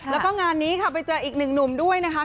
แล้วก็งานนี้ค่ะไปเจออีกหนึ่งหนุ่มด้วยนะคะ